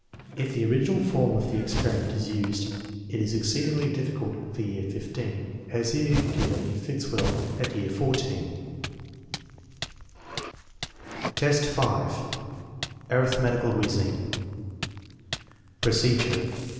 If the original form of the ex periment is used, it is exceedingly difficult for year XV. As here given it fits well at year XIV. XTV, 5. Arithmetical reasoning Procedure.